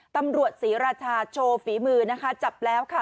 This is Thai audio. ตำรวจศรีราชาโชว์ฝีมือนะคะจับแล้วค่ะ